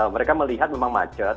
mereka melihat memang macet